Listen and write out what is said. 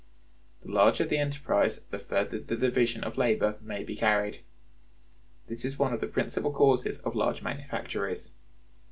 The larger the enterprise the further the division of labor may be carried. This is one of the principal causes of large manufactories.